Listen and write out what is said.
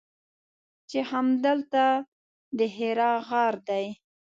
چې همدلته د حرا غار دی.